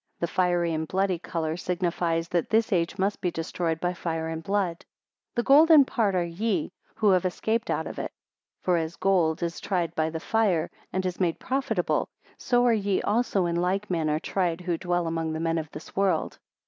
The fiery and bloody colour signifies that this age must be destroyed by fire and blood. 25 The golden part are ye, who have escaped out of it; for as gold is tried by the fire, and is made profitable, so are ye also in like manner tried who dwell among the men of this world.